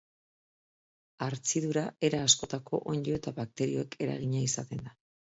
Hartzidura era askotako onddo eta bakterioek eragina izaten da.